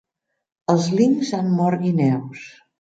Els linxs han mort guineus.